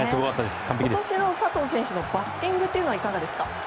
今年の佐藤選手のバッティングはいかがですか？